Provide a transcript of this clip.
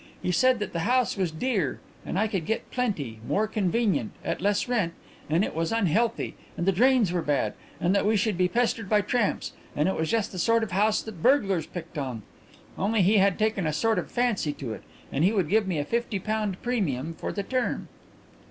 He said that the house was dear and I could get plenty, more convenient, at less rent, and it was unhealthy, and the drains were bad, and that we should be pestered by tramps and it was just the sort of house that burglars picked on, only he had taken a sort of fancy to it and he would give me a fifty pound premium for the term."